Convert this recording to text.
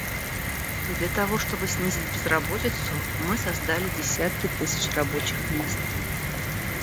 Для того чтобы снизить безработицу, мы создали десятки тысяч рабочих мест.